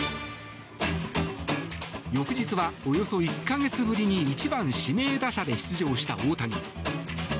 翌日はおよそ１か月ぶりに１番指名打者で出場した大谷。